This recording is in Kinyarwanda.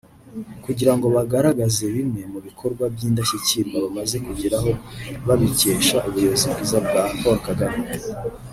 kugirango bagaragaze bimwe mubikorwa by’indashyikirwa bamaze kugeraho babikesha ubuyobozi bwiza bwa Paul Kagame